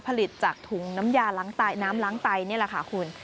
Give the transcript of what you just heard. ผลิตจากถุงน้ำยาล้างน้ำล้างไตนี่แหละค่ะคุณ